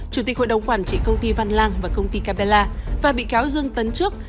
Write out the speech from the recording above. chủ tịch hội đồng quản trị công ty văn lang và công ty capella và bị cáo dương tấn trước